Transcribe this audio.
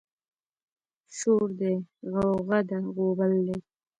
شور دی غوغه ده غوبل دی